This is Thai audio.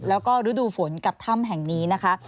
แล้วก็ฤดูฝนกับถ้ำแห่งนี้นะคะ